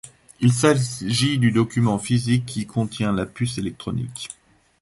Il s'agit du document physique qui contient la puce électronique.